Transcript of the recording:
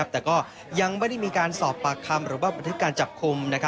แต่ยังไม่ได้มีการปรับคำหรือปฏิศจากคลุม